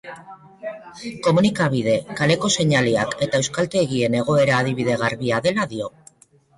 Komunikabide, kaleko seinaleak eta euskaltegien egoera adibide garbia dela dio.